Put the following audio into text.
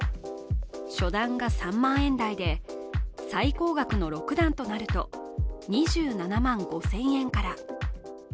初段が３万円台で最高額の六段となると２７万５０００円から。